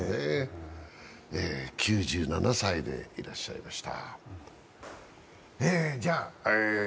９７歳でいらっしゃいました。